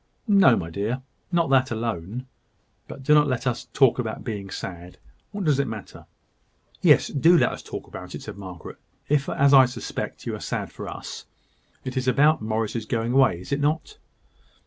"No, my dear not that alone. But do not let us talk about being sad. What does it matter?" "Yes; do let us talk about it," said Margaret, "if, as I suspect, you are sad for us. It is about Morris's going away, is it not?"